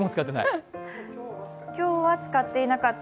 今日は使っていなかった？